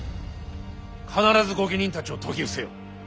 必ず御家人たちを説き伏せよ。